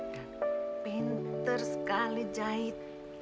dan pinter sekali jahit